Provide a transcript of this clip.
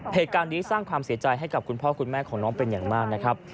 เหตุการณ์นี้สร้างความเสียใจให้กับคุณพ่อคุณแม่ของน้องเป็นอย่างมากนะครับ